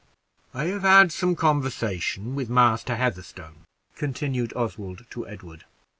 "I have had some conversation with Master Heatherstone," continued Oswald to Edward.